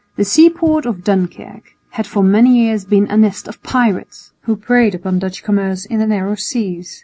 The seaport of Dunkirk had for many years been a nest of pirates, who preyed upon Dutch commerce in the narrow seas.